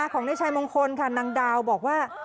ของนายชายมงคลค่ะนางดาวบอกว่า